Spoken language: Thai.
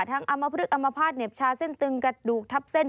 ทั้งอามพฤกษ์อามพาตเน็บชาเส้นตึงกระดูกทับเส้น